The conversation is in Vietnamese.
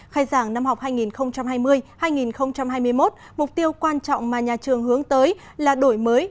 khai giảng năm học hai nghìn hai mươi hai nghìn hai mươi một mục tiêu quan trọng mà nhà trường hướng tới là đổi mới